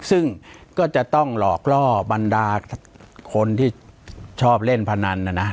ซึ่งก็จะต้องหลอกล่อบรรดาคนที่ชอบเล่นพนันนะนะ